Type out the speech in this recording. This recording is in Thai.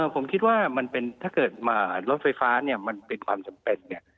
ผมคิดว่าถ้าเกิดมารถไฟฟ้ามันเป็นความจำเป็น